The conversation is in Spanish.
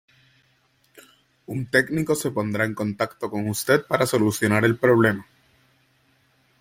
Un técnico se pondrá en contacto con usted para solucionar el problema